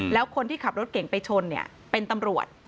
แล้วคนที่ขับรถเก่งไปชนเป็นตำรวจ